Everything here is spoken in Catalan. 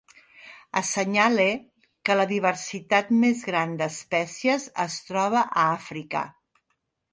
Assenyale que la diversitat més gran d'espècies es troba a Àfrica.